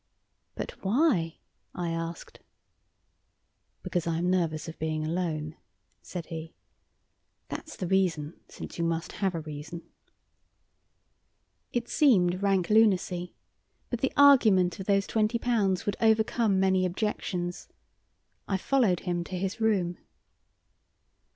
"But why?" I asked. "Because I am nervous of being alone," said he. "That's the reason, since you must have a reason." It seemed rank lunacy, but the argument of those twenty pounds would overcome many objections. I followed him to his room.